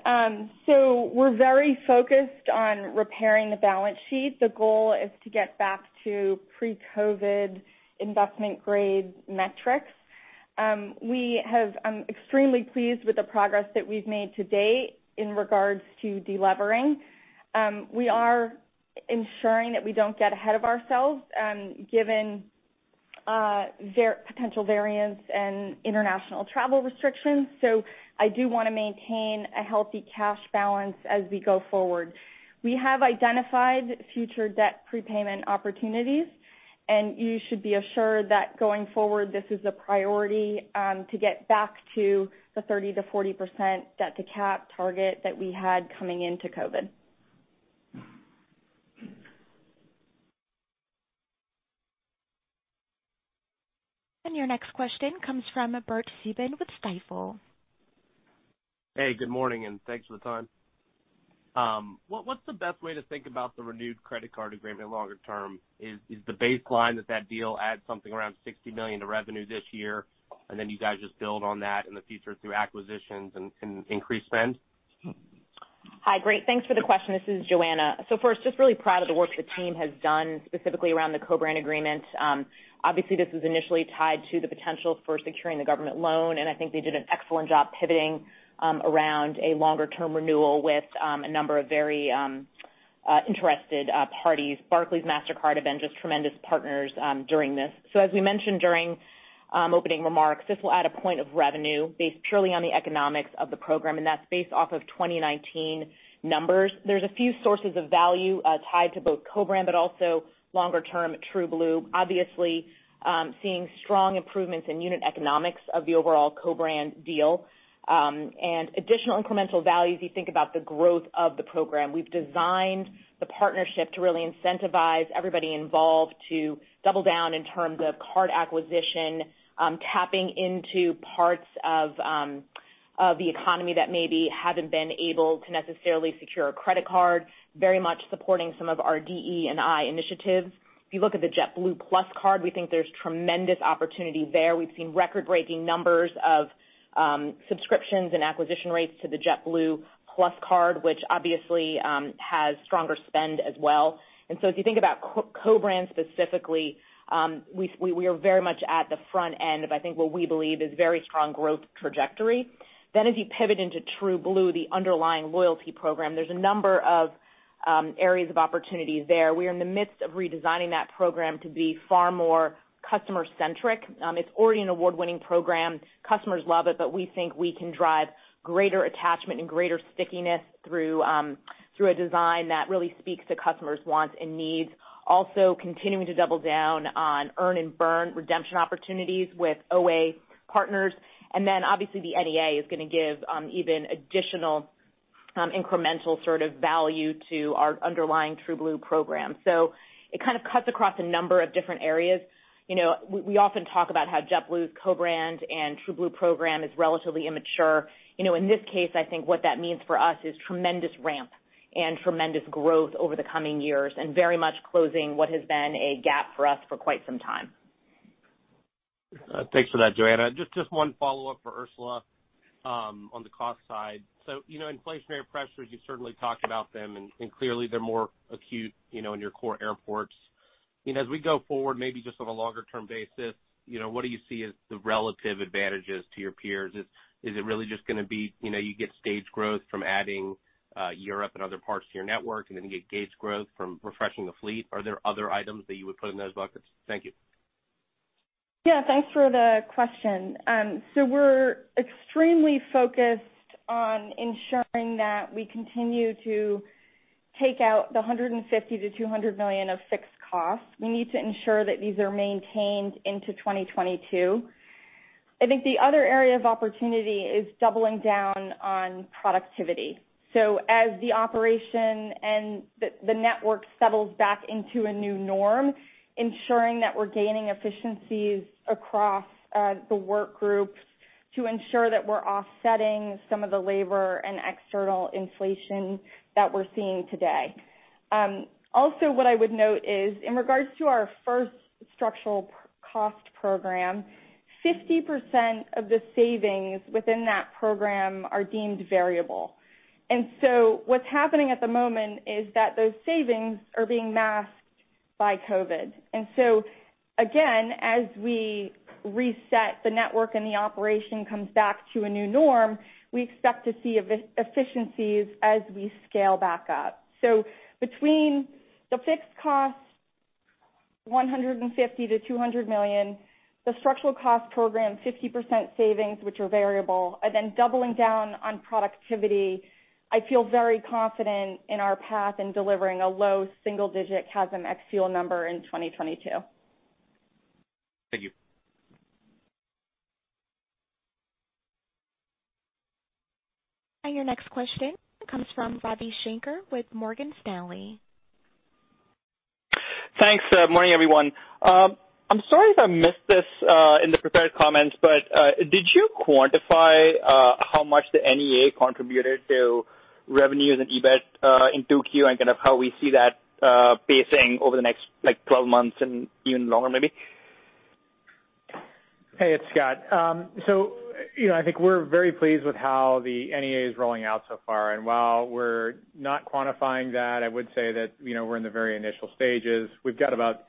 Speaker 5: We're very focused on repairing the balance sheet. The goal is to get back to pre-COVID investment-grade metrics. We have extremely pleased with the progress that we've made to date in regards to de-levering. We are ensuring that we don't get ahead of ourselves given potential variants and international travel restrictions. I do want to maintain a healthy cash balance as we go forward. We have identified future debt prepayment opportunities, you should be assured that going forward, this is a priority to get back to the 30%-40% debt-to-cap target that we had coming into COVID.
Speaker 1: Your next question comes from Bert Subin with Stifel.
Speaker 11: Hey, good morning, and thanks for the time. What's the best way to think about the renewed credit card agreement longer term? Is the baseline that deal adds something around $60 million to revenue this year, and then you guys just build on that in the future through acquisitions and increased spend?
Speaker 4: Hi. Great. Thanks for the question. This is Joanna. First, just really proud of the work the team has done, specifically around the co-brand agreement. Obviously, this was initially tied to the potential for securing the government loan. I think they did an excellent job pivoting around a longer-term renewal with a number of very interested parties. Barclays, Mastercard have been just tremendous partners during this. As we mentioned during opening remarks, this will add a point of revenue based purely on the economics of the program. That's based off of 2019 numbers. There's a few sources of value tied to both co-brand but also longer-term TrueBlue, obviously seeing strong improvements in unit economics of the overall co-brand deal. Additional incremental value as you think about the growth of the program. We've designed the partnership to really incentivize everybody involved to double down in terms of card acquisition, tapping into parts of the economy that maybe haven't been able to necessarily secure a credit card, very much supporting some of our DE&I initiatives. If you look at the JetBlue Plus Card, we think there's tremendous opportunity there. We've seen record-breaking numbers of subscriptions and acquisition rates to the JetBlue Plus Card, which obviously has stronger spend as well. If you think about co-brands specifically, we are very much at the front end of, I think what we believe is very strong growth trajectory. As you pivot into TrueBlue, the underlying loyalty program, there's a number of areas of opportunities there. We are in the midst of redesigning that program to be far more customer-centric. It's already an award-winning program. Customers love it. We think we can drive greater attachment and greater stickiness through a design that really speaks to customers' wants and needs. Also continuing to double down on earn and burn redemption opportunities with OA partners. Obviously the NEA is going to give even additional incremental sort of value to our underlying TrueBlue program. It kind of cuts across a number of different areas. We often talk about how JetBlue's co-brand and TrueBlue program is relatively immature. In this case, I think what that means for us is tremendous ramp and tremendous growth over the coming years, and very much closing what has been a gap for us for quite some time.
Speaker 11: Thanks for that, Joanna. Just one follow-up for Ursula on the cost side. Inflationary pressures, you've certainly talked about them, and clearly they're more acute in your core airports. As we go forward, maybe just on a longer-term basis, what do you see as the relative advantages to your peers? Is it really just going to be you get stage growth from adding Europe and other parts to your network, and then you get gauge growth from refreshing the fleet? Are there other items that you would put in those buckets? Thank you.
Speaker 5: Yeah, thanks for the question. We're extremely focused on ensuring that we continue to take out the $150 million-$200 million of fixed costs. We need to ensure that these are maintained into 2022. I think the other area of opportunity is doubling down on productivity. As the operation and the network settles back into a new norm, ensuring that we're gaining efficiencies across the work groups to ensure that we're offsetting some of the labor and external inflation that we're seeing today. Also what I would note is in regards to our first structural cost program, 50% of the savings within that program are deemed variable. What's happening at the moment is that those savings are being masked by COVID. Again, as we reset the network and the operation comes back to a new norm, we expect to see efficiencies as we scale back up. Between the fixed cost $150 million-$200 million, the structural cost program, 50% savings, which are variable, and then doubling down on productivity, I feel very confident in our path in delivering a low single-digit CASM ex-fuel number in 2022.
Speaker 11: Thank you.
Speaker 1: Your next question comes from Ravi Shanker with Morgan Stanley.
Speaker 12: Thanks. Morning, everyone. I'm sorry if I missed this in the prepared comments, but did you quantify how much the NEA contributed to revenues and EBIT in 2Q and kind of how we see that pacing over the next 12 months and even longer maybe?
Speaker 8: It's Scott. I think we're very pleased with how the NEA is rolling out so far. While we're not quantifying that, I would say that we're in the very initial stages. We've got about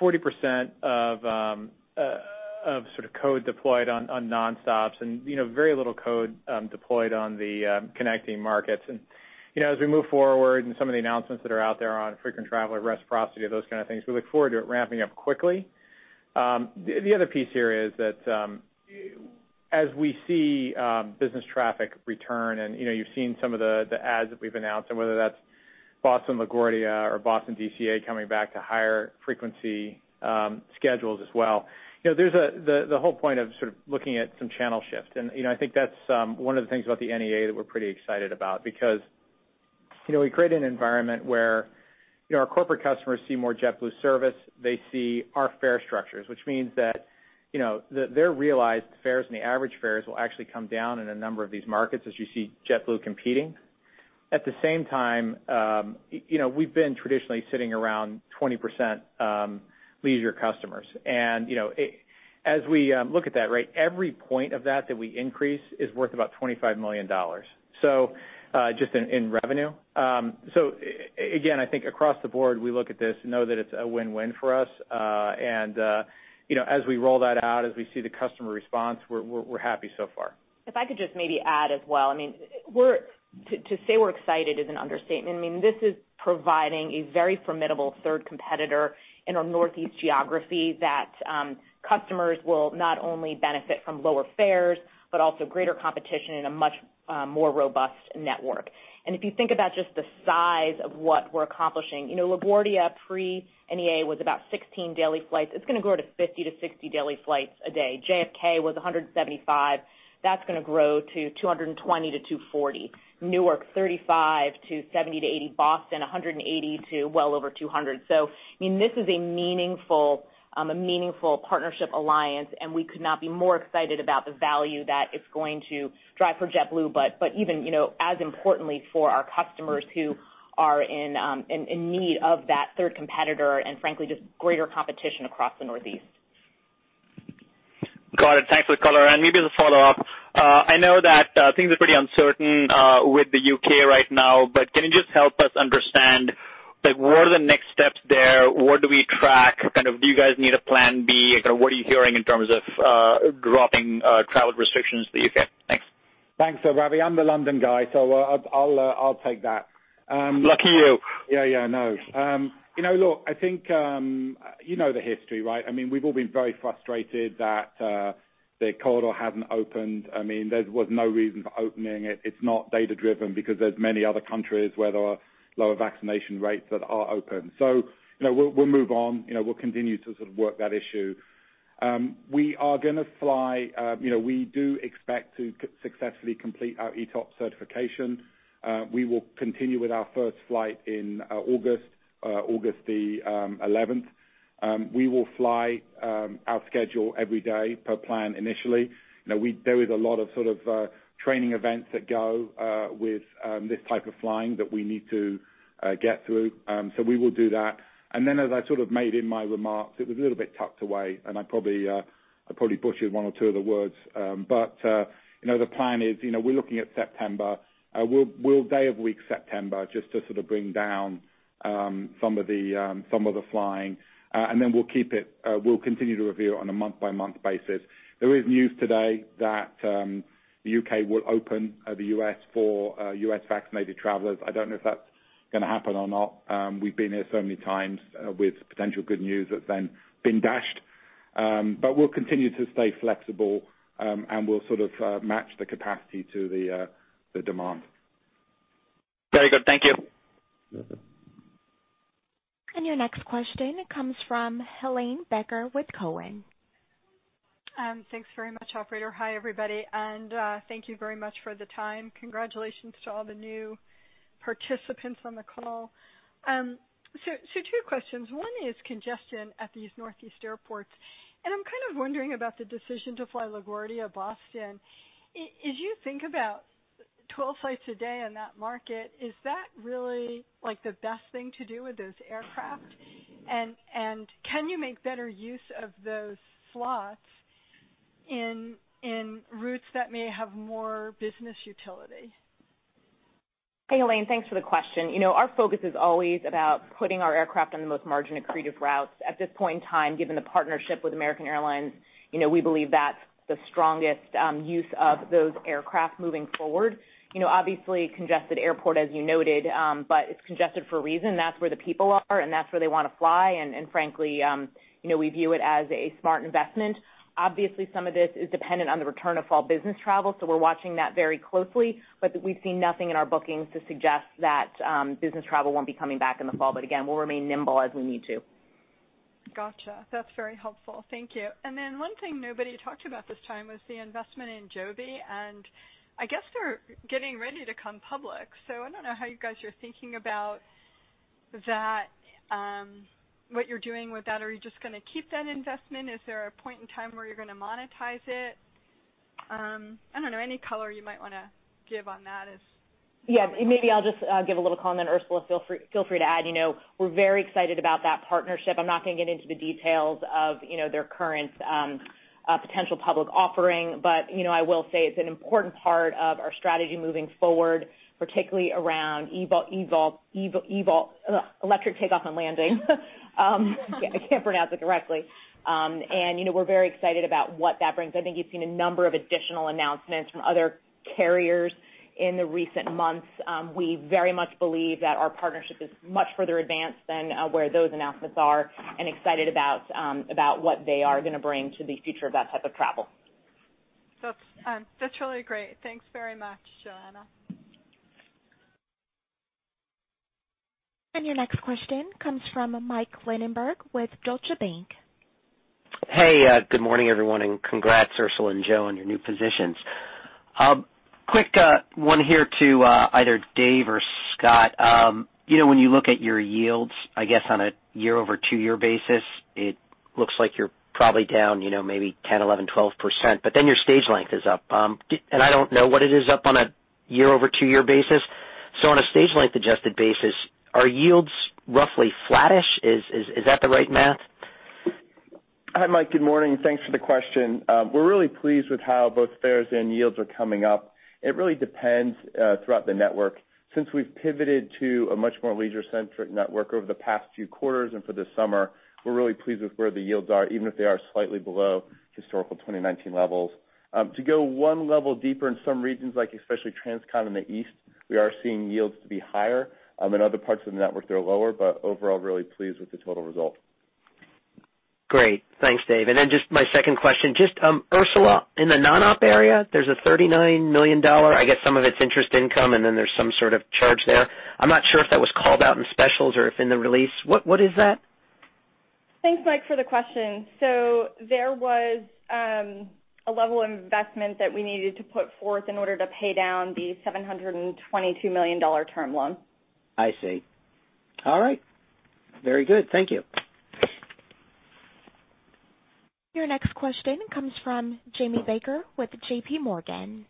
Speaker 8: 40% of code deployed on non-stops and very little code deployed on the connecting markets. As we move forward and some of the announcements that are out there on frequent traveler reciprocity, those kind of things, we look forward to it ramping up quickly. The other piece here is that as we see business traffic return, and you've seen some of the adds that we've announced, and whether that's Boston LaGuardia or Boston DCA coming back to higher frequency schedules as well, there's the whole point of sort of looking at some channel shift. I think that's one of the things about the NEA that we're pretty excited about because we create an environment where our corporate customers see more JetBlue service. They see our fare structures, which means that their realized fares and the average fares will actually come down in a number of these markets as you see JetBlue competing. At the same time, we've been traditionally sitting around 20% leisure customers. As we look at that, every point of that that we increase is worth about $25 million just in revenue. Again, I think across the board, we look at this and know that it's a win-win for us. As we roll that out, as we see the customer response, we're happy so far.
Speaker 4: If I could just maybe add as well. To say we're excited is an understatement. This is providing a very formidable third competitor in our Northeast geography that customers will not only benefit from lower fares, but also greater competition in a much more robust network. If you think about just the size of what we're accomplishing, LaGuardia pre-NEA was about 16 daily flights. It's going to grow to 50-60 daily flights a day. JFK was 175. That's going to grow to 220-240. Newark, 35-70-80. Boston, 180 to well over 200. This is a meaningful partnership alliance, and we could not be more excited about the value that it's going to drive for JetBlue, but even as importantly for our customers who are in need of that third competitor and frankly, just greater competition across the Northeast.
Speaker 12: Got it. Thanks for the color. Maybe as a follow-up, I know that things are pretty uncertain with the U.K. right now, can you just help us understand what are the next steps there? What do we track? Kind of do you guys need a plan B? What are you hearing in terms of dropping travel restrictions to the U.K.? Thanks.
Speaker 3: Thanks, Ravi. I'm the London guy, so I'll take that.
Speaker 12: Lucky you.
Speaker 3: Yeah, I know. Look, I think you know the history, right? We've all been very frustrated that the corridor hasn't opened. There was no reason for opening it. It's not data-driven because there's many other countries where there are lower vaccination rates that are open. We'll move on. We'll continue to sort of work that issue. We are going to fly. We do expect to successfully complete our ETOPS certification. We will continue with our first flight in August the 11th. We will fly our schedule every day per plan initially. There is a lot of sort of training events that go with this type of flying that we need to get through. We will do that. As I sort of made in my remarks, it was a little bit tucked away, and I probably butchered one or two of the words, but the plan is we're looking at September. We'll day of week September just to sort of bring down some of the flying, and then we'll continue to review on a month-by-month basis. There is news today that the U.K. will open the U.S. for U.S. vaccinated travelers. I don't know if that's going to happen or not. We've been here so many times with potential good news that's then been dashed. We'll continue to stay flexible, and we'll sort of match the capacity to the demand.
Speaker 12: Very good. Thank you.
Speaker 1: You're welcome. Your next question comes from Helane Becker with Cowen.
Speaker 13: Thanks very much, operator. Hi, everybody. Thank you very much for the time. Congratulations to all the new participants on the call. Two questions. One is congestion at these Northeast airports, and I'm kind of wondering about the decision to fly LaGuardia, Boston. As you think about 12 flights a day on that market, is that really the best thing to do with those aircraft? Can you make better use of those slots in routes that may have more business utility?
Speaker 4: Hey, Helane. Thanks for the question. Our focus is always about putting our aircraft on the most margin-accretive routes. At this point in time, given the partnership with American Airlines, we believe that's the strongest use of those aircraft moving forward. Congested airport, as you noted, but it's congested for a reason. That's where the people are, that's where they want to fly, frankly, we view it as a smart investment. Some of this is dependent on the return of fall business travel, so we're watching that very closely. We've seen nothing in our bookings to suggest that business travel won't be coming back in the fall, again, we'll remain nimble as we need to.
Speaker 13: Gotcha. That's very helpful. Thank you. One thing nobody talked about this time was the investment in Joby, and I guess they're getting ready to come public. I don't know how you guys are thinking about what you're doing with that. Are you just going to keep that investment? Is there a point in time where you're going to monetize it? I don't know. Any color you might want to give on that?
Speaker 4: Yeah. Maybe I'll just give a little comment, Ursula, feel free to add. I'm not going to get into the details of their current potential public offering. I will say it's an important part of our strategy moving forward, particularly around eVTOL, Electric Takeoff and Landing. I can't pronounce it correctly. We're very excited about what that brings. I think you've seen a number of additional announcements from other carriers in the recent months. We very much believe that our partnership is much further advanced than where those announcements are, and excited about what they are going to bring to the future of that type of travel.
Speaker 13: That's really great. Thanks very much, Joanna.
Speaker 1: Your next question comes from Mike Linenberg with Deutsche Bank.
Speaker 14: Hey, good morning, everyone, congrats, Ursula and Joe, on your new positions. Quick one here to either Dave or Scott. When you look at your yields, I guess, on a year-over-two-year basis, it looks like you're probably down maybe 10%, 11%, 12%, but then your stage length is up. I don't know what it is up on a year-over-two-year basis. On a stage length adjusted basis, are yields roughly flattish? Is that the right math?
Speaker 15: Hi, Mike. Good morning. Thanks for the question. We're really pleased with how both fares and yields are coming up. It really depends throughout the network. Since we've pivoted to a much more leisure-centric network over the past few quarters and for this summer, we're really pleased with where the yields are, even if they are slightly below historical 2019 levels. To go one level deeper in some regions, like especially transcon in the East, we are seeing yields to be higher. In other parts of the network, they're lower, but overall, really pleased with the total result.
Speaker 14: Great. Thanks, Dave. Just my second question. Just Ursula, in the non-op area, there's a $39 million, I guess some of it's interest income, and then there's some sort of charge there. I'm not sure if that was called out in specials or if in the release. What is that?
Speaker 5: Thanks, Mike, for the question. There was a level of investment that we needed to put forth in order to pay down the $722 million term loan.
Speaker 14: I see. All right. Very good. Thank you.
Speaker 1: Your next question comes from Jamie Baker with J.P. Morgan.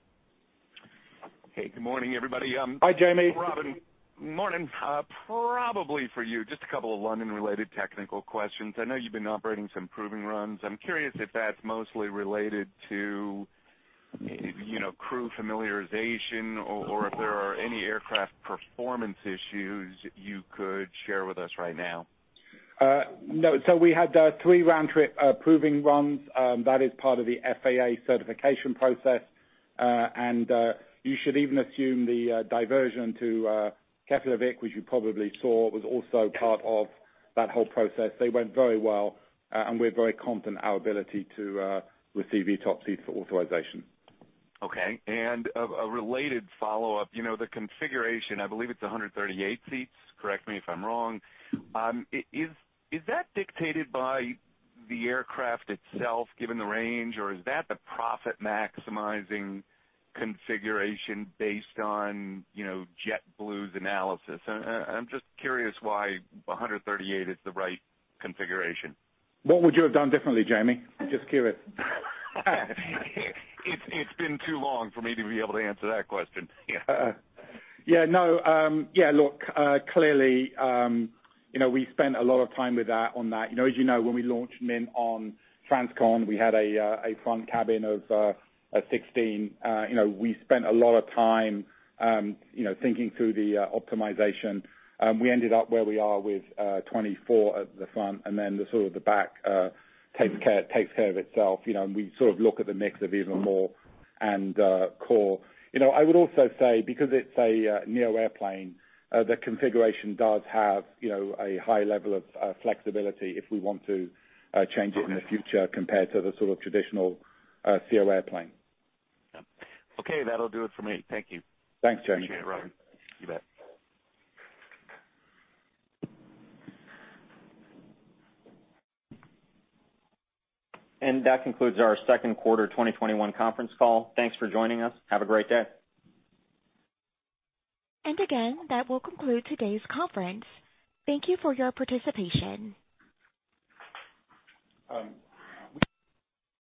Speaker 16: Hey, good morning, everybody.
Speaker 3: Hi, Jamie.
Speaker 16: Robin, morning. For you, just a couple of London-related technical questions. I know you've been operating some proving runs. I'm curious if that's mostly related to crew familiarization or if there are any aircraft performance issues you could share with us right now.
Speaker 3: No. We had three round trip proving runs. That is part of the FAA certification process. You should even assume the diversion to Keflavik, which you probably saw, was also part of that whole process. They went very well, and we're very confident in our ability to receive ETOPS for authorization.
Speaker 16: Okay. A related follow-up. The configuration, I believe it's 138 seats, correct me if I'm wrong. Is that dictated by the aircraft itself, given the range, or is that the profit-maximizing configuration based on JetBlue's analysis? I'm just curious why 138 is the right configuration.
Speaker 3: What would you have done differently, Jamie? Just curious.
Speaker 16: It's been too long for me to be able to answer that question.
Speaker 3: Clearly, we spent a lot of time with that on that. As you know, when we launched Mint on transcon, we had a front cabin of 16. We spent a lot of time thinking through the optimization. We ended up where we are with 24 at the front, then the sort of the back takes care of itself. We sort of look at the mix of Even More and Core. I would also say because it's a neo airplane, the configuration does have a high level of flexibility if we want to change it in the future compared to the sort of traditional ceo airplane.
Speaker 16: Yeah. Okay, that'll do it for me. Thank you.
Speaker 3: Thanks, Jamie.
Speaker 16: Appreciate it, Robin. You bet.
Speaker 2: That concludes our Q2 2021 conference call. Thanks for joining us. Have a great day.
Speaker 1: Again, that will conclude today's conference. Thank you for your participation.